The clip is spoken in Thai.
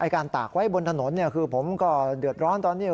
การตากไว้บนถนนคือผมก็เดือดร้อนตอนนี้